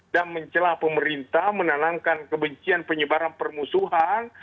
dan mencelah pemerintah menenangkan kebencian penyebaran permusuhan